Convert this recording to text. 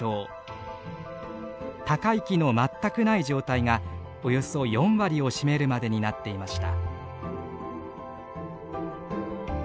高い木の全くない状態がおよそ４割を占めるまでになっていました。